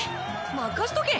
任しとけ。